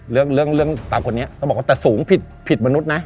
เรื่องเรื่องตาคนนี้ต้องบอกว่าแต่สูงผิดผิดมนุษย์นะ